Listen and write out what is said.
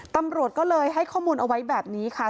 ตำรวจก็เลยให้ข้อมูลเอาไว้แบบนี้ค่ะ